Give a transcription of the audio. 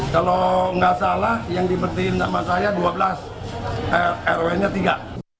kalau nggak salah yang dibertiin sama saya dua belas rw nya tiga